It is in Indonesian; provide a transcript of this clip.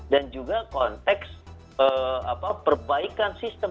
dan juga konteks perbaikan sistem